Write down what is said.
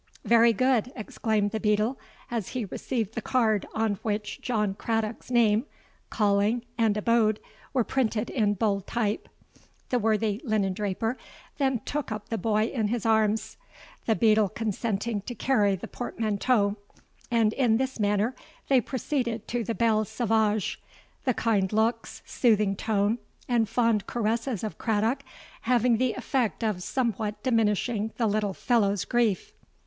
'—'Very good,' exclaimed the beadle, as he received the card on which John Craddock's name, calling, and abode were printed in bold type. The worthy linen draper then took up the boy in his arms, the beadle consenting to carry the portmanteau; and in this manner they proceeded to the Belle Sauvage, the kind looks, soothing tone, and fond caresses of Craddock having the effect of somewhat diminishing the little fellow's grief.